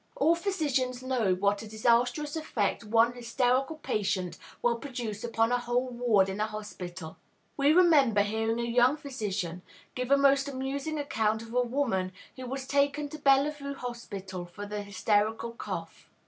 All physicians know what a disastrous effect one hysterical patient will produce upon a whole ward in a hospital. We remember hearing a young physician once give a most amusing account of a woman who was taken to Bellevue Hospital for a hysterical cough.